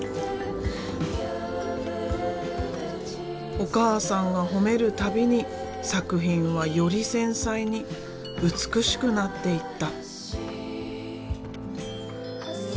お母さんが褒める度に作品はより繊細に美しくなっていった。